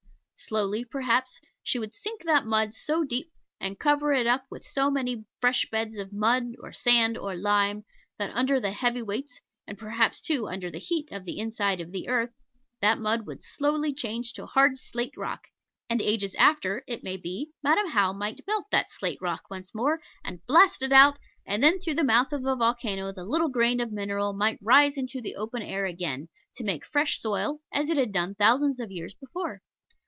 Slowly, perhaps, she would sink that mud so deep, and cover it up with so many fresh beds of mud, or sand, or lime, that under the heavy weight, and perhaps, too, under the heat of the inside of the earth, that Mud would slowly change to hard Slate Rock; and ages after, it may be, Madam How might melt that Slate Rock once more, and blast it out; and then through the mouth of a volcano the little grain of mineral might rise into the open air again to make fresh soil, as it had done thousands of years before.